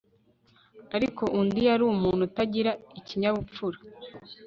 Ariko undi yari umuntu utagira ikinyabupfura